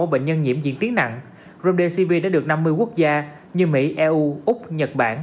sáu bệnh nhân nhiễm diễn tiến nặng romdesv đã được năm mươi quốc gia như mỹ eu úc nhật bản